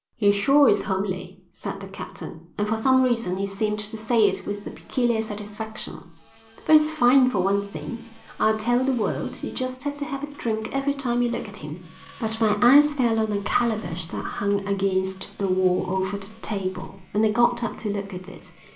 "He sure is homely," said the captain, and for some reason he seemed to say it with a peculiar satisfaction. "But he's fine for one thing, I'll tell the world; you just have to have a drink every time you look at him." But my eyes fell on a calabash that hung against the wall over the table, and I got up to look at it.